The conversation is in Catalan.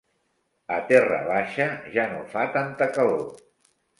A Terra baixa ja no fa tanta calor.